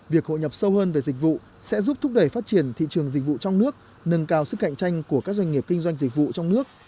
việc hội nhập sâu hơn về dịch vụ sẽ giúp thúc đẩy phát triển thị trường dịch vụ trong nước nâng cao sức cạnh tranh của các doanh nghiệp kinh doanh dịch vụ trong nước